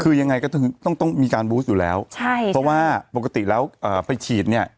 คือยังไงก็ต้องต้องมีการบูสอยู่แล้วใช่เพราะว่าปกติแล้วไปฉีดเนี่ย